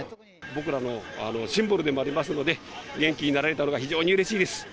僕らのシンボルでもありますので、元気になられたのが非常にうれしいです。